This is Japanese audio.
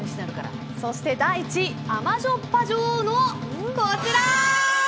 そして第１位甘じょっぱ女王のこちら。